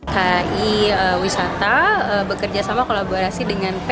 ki wisata bekerja sama kolaborasi dengan ku